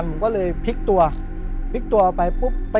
ผมก็ไม่เคยเห็นว่าคุณจะมาทำอะไรให้คุณหรือเปล่า